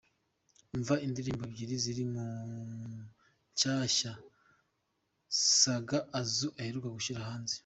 Umva indirimbo ebyiri ziri mu nshyashya Saga Assou aheruka gushyira hanze:.